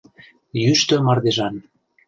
Йӱштӧ мардежан.